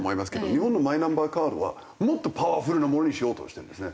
日本のマイナンバーカードはもっとパワフルなものにしようとしてるんですね。